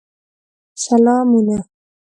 سلامونه